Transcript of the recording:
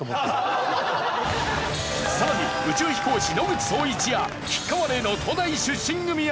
さらに宇宙飛行士野口聡一や菊川怜の東大出身組や。